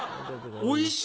「おいしい」。